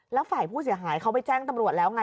แล้วฝ่ายผู้เสียหายเขาไปแจ้งตำรวจแล้วไง